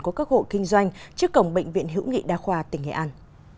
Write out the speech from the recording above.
của các hộ kinh doanh trước cổng bệnh viện hữu nghị đa khoa tỉnh nghệ an